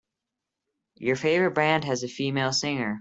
Your favorite band has a female singer.